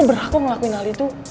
lo berhak kok ngelakuin hal itu